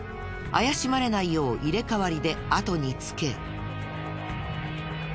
怪しまれないよう入れ替わりで後につけ。